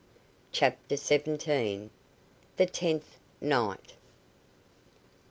CHAPTER SEVENTEEN. THE TENTH NIGHT.